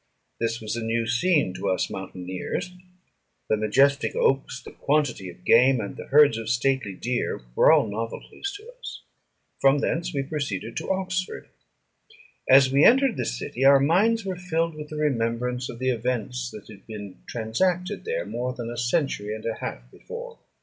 This was a new scene to us mountaineers; the majestic oaks, the quantity of game, and the herds of stately deer, were all novelties to us. From thence we proceeded to Oxford. As we entered this city, our minds were filled with the remembrance of the events that had been transacted there more than a century and a half before.